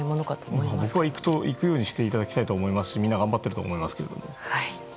僕はうまくいくようにしていただきたいと思いますしみんな頑張っていると思いますけど。